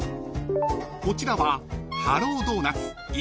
［こちらは］